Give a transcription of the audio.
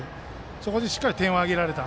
そこで、しっかり点を挙げられた。